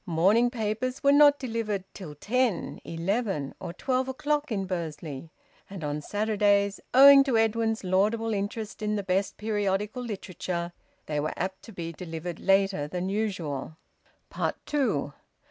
Morning papers were not delivered till ten, eleven, or twelve o'clock in Bursley, and on Saturdays, owing to Edwin's laudable interest in the best periodical literature, they were apt to be delivered later than usual. TWO.